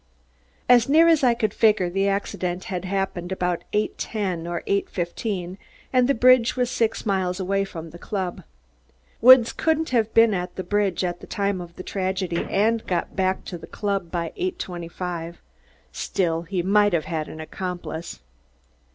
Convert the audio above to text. As near as I could figure, the accident had happened about eight ten or eight fifteen and the bridge was six miles away from the club. Woods couldn't have been at the bridge at the time of the tragedy and got back to the club by eighty twenty five. Still, he might have had an accomplice.